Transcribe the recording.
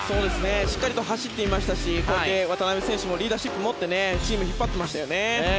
しっかり走っていましたし渡邊選手もリーダーシップを持ってチームを引っ張っていましたね。